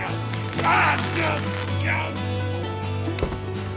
あっ。